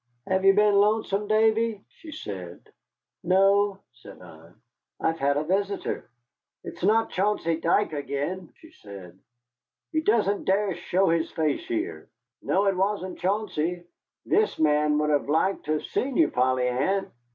"Have you been lonesome, Davy?" she said. "No," said I, "I've had a visitor." "It's not Chauncey Dike again?" she said. "He doesn't dare show his face here." "No, it wasn't Chauncey. This man would like to have seen you, Polly Ann.